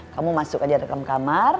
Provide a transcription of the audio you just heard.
kamu masuk aja dalam kamar